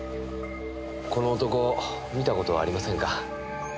この男見た事はありませんか？